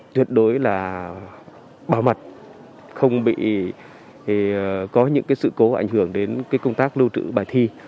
tuyệt đối là bảo mật không bị có những sự cố ảnh hưởng đến công tác lưu trữ bài thi